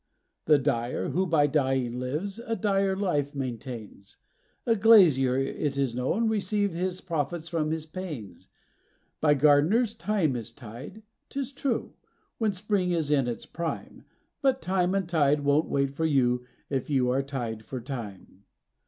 The dyer, who by dying lives, a dire life maintains; The glazier, it is known, receives his profits for his panes. By gardeners thyme is tied, 'tis true, when spring is in its prime; But time and tide won't wait for you if you are tied for time.